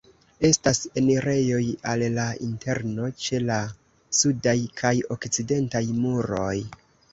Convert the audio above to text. Estas enirejoj al la interno ĉe la sudaj kaj okcidentaj muroj.